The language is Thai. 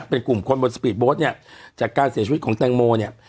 เป็นกลุ่มคนบนสปีดโบ๊ทเนี่ยจากการเสียชีวิตของแตงโมเนี่ย